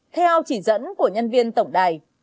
theo chỉ dẫn của nhân viên tổng đài